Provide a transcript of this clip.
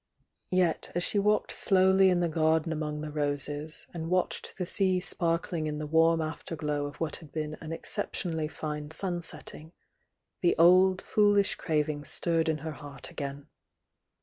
Yet, as she walked slowly in the garden among the roses, and watched the sea sparkling in the warm after glow of what had been an exceptionally fine sun setting, the ol( foolish craving stirred in her heart again.